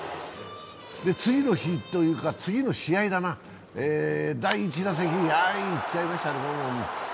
次の日というか次の試合だな、第１打席、いっちゃいましたね。